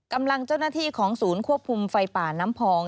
กำลังเจ้าหน้าที่ของศูนย์ควบคุมไฟป่าน้ำพอง